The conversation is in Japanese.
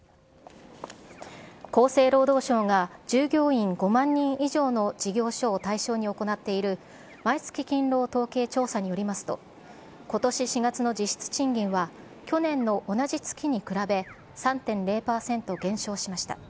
厚生労働省が従業員５万人以上の事業所を対象に行っている、毎月勤労統計調査によりますと、ことし４月の実質賃金は去年の同じ月に比べ、３．０％減少しました。